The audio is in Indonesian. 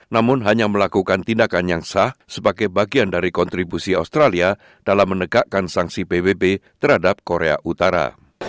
namun hanya melakukan tindakan yang sah sebagai bagian dari kontribusi australia dalam menegakkan sanksi pbb terhadap korea utara